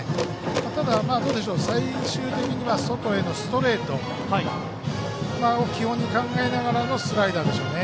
ただ、最終的には外へのストレートを基本に考えながらのスライダーでしょうね。